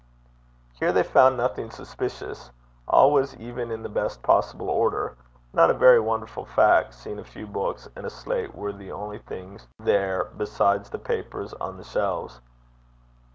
Here they found nothing suspicious. All was even in the best possible order not a very wonderful fact, seeing a few books and a slate were the only things there besides the papers on the shelves.